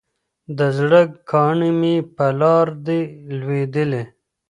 د زړه كاڼى مي پر لاره دى لــوېـدلى